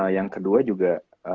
yang kedua juga